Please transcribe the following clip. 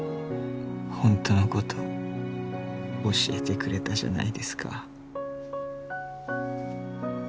本当の事教えてくれたじゃないですか。